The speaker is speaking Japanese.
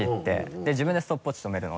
で自分でストップウオッチ止めるので。